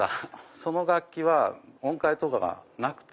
その楽器は音階とかがなくて。